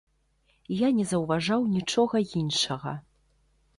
Я не заўважаў нічога іншага.